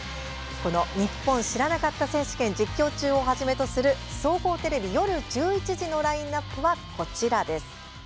「ニッポン知らなかった選手権実況中！」をはじめとする総合テレビ、夜１１時のラインナップはこちらです。